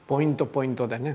ポイントでね。